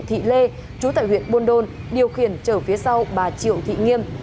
thị lê chú tải huyện buôn đôn điều khiển chở phía sau bà triệu thị nghiêm